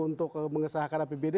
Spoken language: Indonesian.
untuk mengesahkan apbd